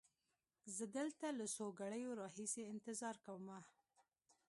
زه دلته له څو ګړیو را هیسې انتظار کومه.